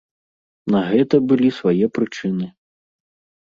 На гэта былі свае прычыны.